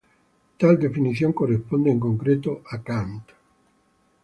Tal definición corresponde en concreto a Kant.